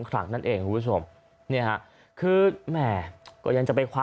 ครั้งนั่นเองคุณผู้ชมเนี่ยฮะคือแหม่ก็ยังจะไปคว้า